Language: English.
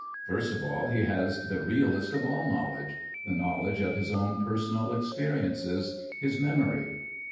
First of all he has the realest of all knowledge the knowledge of his own personal experiences, his memory.